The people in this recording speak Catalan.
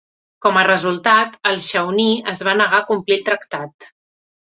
Com a resultat, el Shawnee es va negar a complir el tractat.